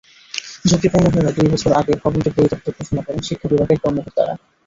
ঝুঁকিপূর্ণ হওয়ায় দুই বছর আগে ভবনটি পরিত্যক্ত ঘোষণা করেন শিক্ষা বিভাগের কর্মকর্তারা।